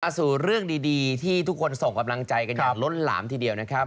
สู่เรื่องดีที่ทุกคนส่งกำลังใจกันอย่างล้นหลามทีเดียวนะครับ